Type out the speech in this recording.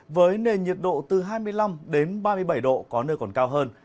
với nền nhiệt độ từ hai mươi năm ba mươi bảy độ có nơi còn cao hơn